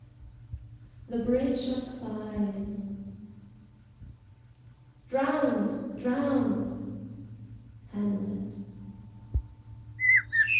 THE BRIDGE OF SIGHS. "Drowned! drowned!" HAMLET.